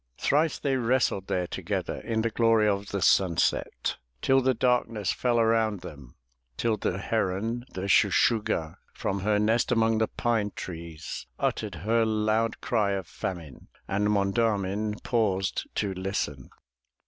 Thrice they wrestled there together In the glory of the sunset. Till the darkness fell around them. Till the heron, the Shuh shuh' gah, From her nest among the pine trees, Uttered her loud cry of famine. And Monda'min paused to listen.